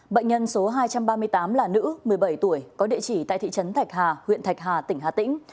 bệnh nhân số hai trăm ba mươi tám là nữ một mươi bảy tuổi có địa chỉ tại thị trấn thạch hà huyện thạch hà tỉnh hà tĩnh